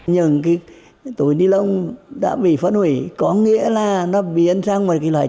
nhưng túi ni lông đã bị phát hủy có nghĩa là nó biến sang một loại chất thải